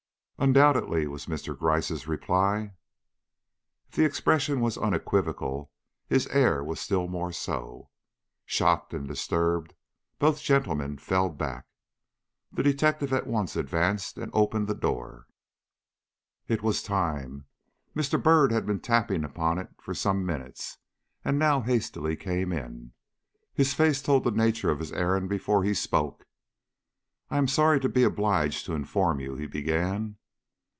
"Undoubtedly," was Mr. Gryce's reply. If the expression was unequivocal, his air was still more so. Shocked and disturbed, both gentlemen fell back. The detective at once advanced and opened the door. It was time. Mr. Byrd had been tapping upon it for some minutes, and now hastily came in. His face told the nature of his errand before he spoke. "I am sorry to be obliged to inform you " he began.